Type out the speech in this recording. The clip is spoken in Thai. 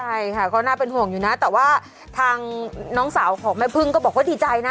ใช่ค่ะก็น่าเป็นห่วงอยู่นะแต่ว่าทางน้องสาวของแม่พึ่งก็บอกว่าดีใจนะ